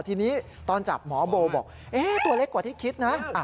ทีนี้ตอนจับหมอโบบอกตัวเล็กกว่าที่คิดนะ